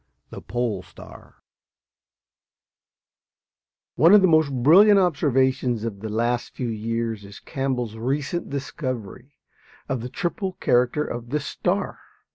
THE POLE STAR One of the most brilliant observations of the last few years is Campbell's recent discovery of the triple character of this star.